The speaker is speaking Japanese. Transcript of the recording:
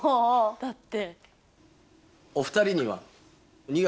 だって。